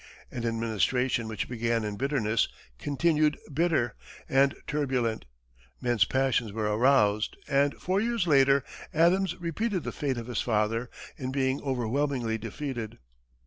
An administration which began in bitterness, continued bitter and turbulent. Men's passions were aroused, and four years later Adams repeated the fate of his father, in being overwhelmingly defeated.